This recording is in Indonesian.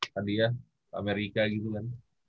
tadi ya amerika gitu kan